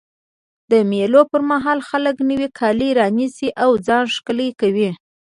د مېلو پر مهال خلک نوی کالي رانيسي او ځان ښکلی کوي.